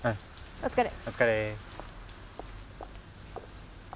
お疲れ。